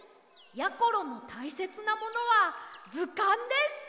やころのたいせつなものはずかんです。